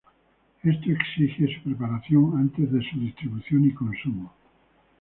Esto exige su preparación antes de su distribución y consumo.